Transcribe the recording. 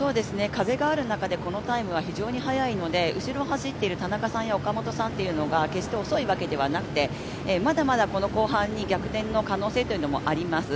風がある中で、このタイムは非常に速いので後ろを走っている田中さんや岡本さんが決して遅いわけではなくて、まだまだ後半に逆転の可能性もあります。